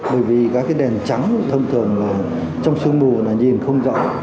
bởi vì các cái đèn trắng thông thường là trong sương mù là nhìn không rõ